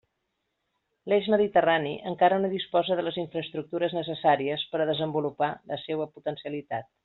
L'eix mediterrani encara no disposa de les infraestructures necessàries per a desenvolupar la seua potencialitat.